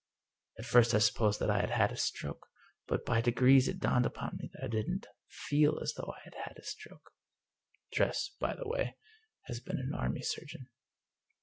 At first I supposed that I had had a stroke. But by degrees it dawned upon me that I didn't feel as though I had had a stroke." Tress, by the way, has been an army surgeon.